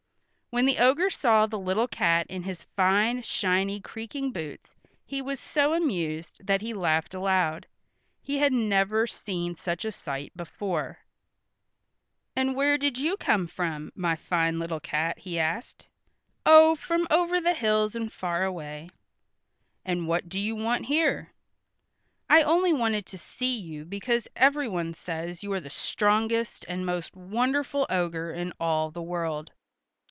When the ogre saw the little cat in his fine shiny, creaking boots he was so amused that he laughed aloud. He had never seen such a sight before. [Illustration: THE OGRE CHANGES HIMSELF INTO A LION] "And where did you come from, my fine little cat?" he asked. "Oh, from over the hills and far away." "And what do you want here?" "I only wanted to see you because everyone says you are the strongest and most wonderful ogre in all the world."